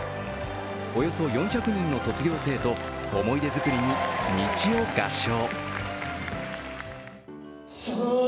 およそ４００人の卒業生と思い出作りに「道」を合唱。